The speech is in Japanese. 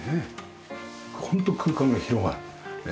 ホント空間が広がる。